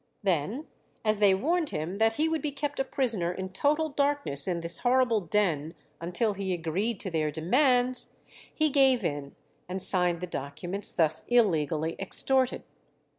Then, as they warned him that he would be kept a prisoner in total darkness in this horrible den until he agreed to their demands, he gave in, and signed the documents thus illegally extorted.